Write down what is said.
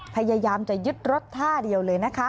พยายามจะยึดรถท่าเดียวเลยนะคะ